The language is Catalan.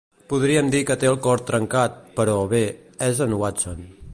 Podríem dir que té el cor trencat, però, bé, és en Watson.